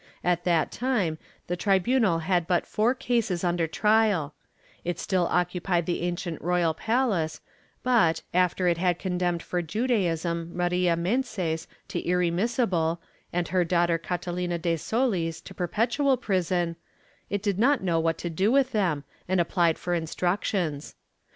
At that time the tribunal had but four cases under trial; it still occupied the ancient royal palace but, after it had condemned for Judaism Maria Meneses to irremissible, and her daughter Catalina de Solis, to perpetual prison, it did not know what to do with them and applied for instructions.